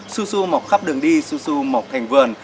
su su mọc khắp đường đi su su mọc thành vườn